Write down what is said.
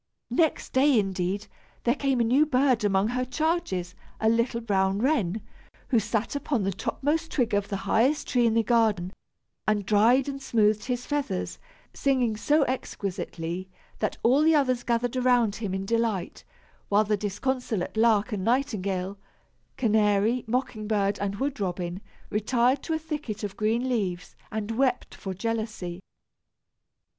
Next day, indeed, there came a new bird among her charges, a little brown wren, who sat upon the topmost twig of the highest tree in the garden, and dried and smoothed his feathers, singing so exquisitely that all the others gathered around him in delight, while the disconsolate lark and nightingale, canary, mocking bird and wood robin, retired to a thicket of green leaves, and wept for jealousy.